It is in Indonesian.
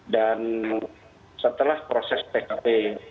dan setelah proses pkp